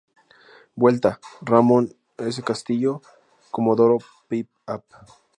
Vuelta: Ramon S. Castillo, Comodoro Py, Av.